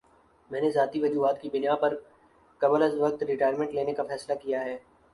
میں نے ذاتی وجوہات کی بِنا پر قبلازوقت ریٹائرمنٹ لینے کا فیصلہ کِیا ہے